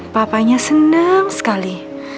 papanya seneng sekali